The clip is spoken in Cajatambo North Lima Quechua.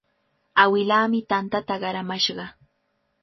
Awilaami tantata qaramashqa.